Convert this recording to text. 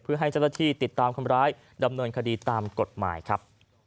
เพื่อให้เจ้าหน้าที่ติดตามคนร้ายดำเนินคดีตามกฎหมายครับ